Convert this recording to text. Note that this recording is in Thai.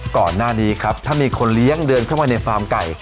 ก่อนหน้านี้ครับถ้ามีคนเลี้ยงเดินเข้ามาในฟาร์มไก่